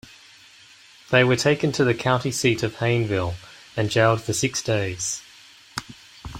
They were taken to the county seat of Hayneville and jailed for six days.